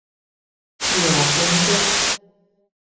Jā, kundze.